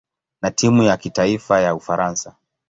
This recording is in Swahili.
na timu ya kitaifa ya Ufaransa.